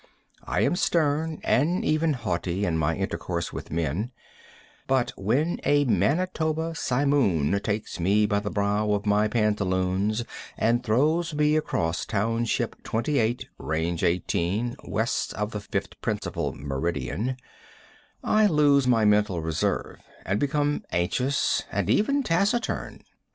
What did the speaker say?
I am stern and even haughty in my intercourse with men, but when a Manitoba simoon takes me by the brow of my pantaloons and throws me across Township 28, Range 18, West of the 5th Principal Meridian, I lose my mental reserve and become anxious and even taciturn.